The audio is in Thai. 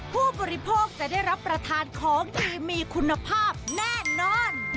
ผู้บริโภคจะได้รับประทานของดีมีคุณภาพแน่นอน